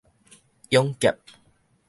勇俠